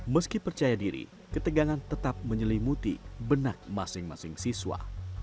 meski percaya diri ketegangan tetap menyelimuti benak masing masing siswa